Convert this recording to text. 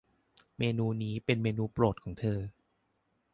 เมนูนี้เป็นเมนูโปรดของเธอ